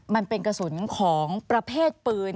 มันเป็นกระสุนของประเภทปืน